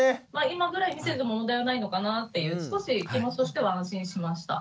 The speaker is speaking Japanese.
今ぐらい見てて問題はないのかなっていう少し気持ちとしては安心しました。